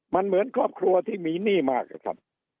มันเหมือนครอบครัวที่มีหนี้มากอะครับ